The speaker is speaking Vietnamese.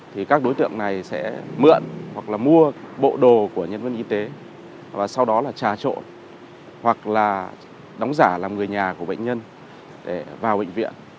thì các đối tượng này sẽ mượn hoặc là mua bộ đồ của nhân viên y tế và sau đó là trà trộn hoặc là đóng giả làm người nhà của bệnh nhân để vào bệnh viện